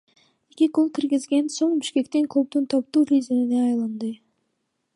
Эки гол киргизген соң бишкектик клуб топтун лидерине айланды.